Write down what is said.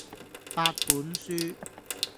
八本書